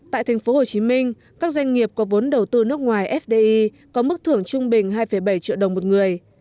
tại thành phố hồ chí minh các doanh nghiệp có vốn đầu tư nước ngoài fdi có mức thưởng trung bình hai bảy triệu đồng một người